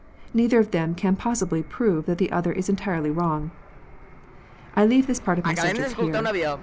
Neither of them can possibly prove that the other is entirely wrong. I leave this part of my subject here.